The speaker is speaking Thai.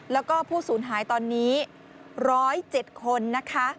แล้วก็ผู้สูญหายตอนนี้๑๐๗คนนะคะ